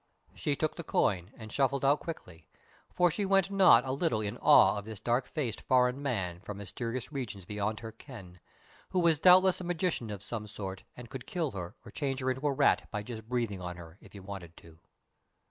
She took the coin and shuffled out quickly, for she went not a little in awe of this dark faced foreign man from mysterious regions beyond her ken, who was doubtless a magician of some sort, and could kill her or change her into a rat by just breathing on her, if he wanted to.